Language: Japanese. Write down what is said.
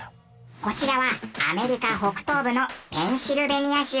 こちらはアメリカ北東部のペンシルベニア州。